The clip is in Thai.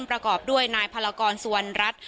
ประกอบด้วยนายพลากรสุวรรณรัฐ